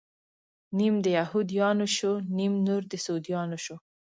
نيم د يهود يانو شو، نيم نور د سعوديانو شو